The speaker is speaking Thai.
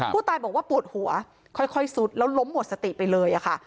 ผู้ตายบอกว่าปวดหัวค่อยซุดแล้วล้มหมดสติไปเลยค่ะ